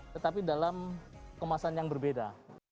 tetapi dalam kemasan yang berbeda